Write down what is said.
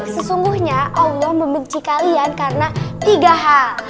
sesungguhnya allah membenci kalian karena tiga hal